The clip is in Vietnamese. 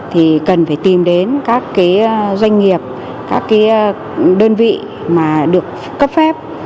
thì cần phải tìm đến các cái doanh nghiệp các cái đơn vị mà được cấp phép